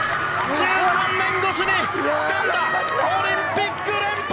１３年越しにつかんだオリンピック連覇！